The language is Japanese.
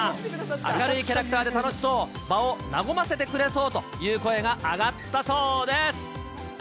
明るいキャラクターで楽しそう、場を和ませてくれそうという声が上がったそうです。